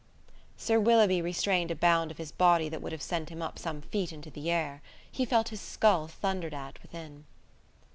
'" Sir Willoughby restrained a bound of his body that would have sent him up some feet into the air. He felt his skull thundered at within.